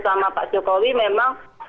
sama pak jokowi memang